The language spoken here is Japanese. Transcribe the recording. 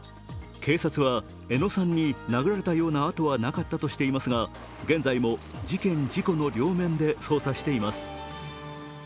警察は江野さんに殴られたような痕はなかったとしていますが、現在も事件・事故の両面で捜査しています。